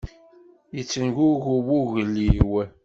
Yettengugu wugel-iw.